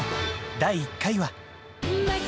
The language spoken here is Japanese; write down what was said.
第１回は。